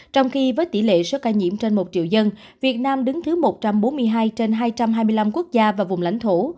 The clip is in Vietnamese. trong khi với tỷ lệ số ca nhiễm trên một triệu dân việt nam đứng thứ một trăm bốn mươi hai trên hai trăm hai mươi năm quốc gia và vùng lãnh thổ